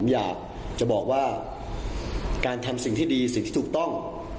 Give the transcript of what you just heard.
อยากจะบอกว่าการทำสิ่งที่ดีสิ่งที่ถูกต้อง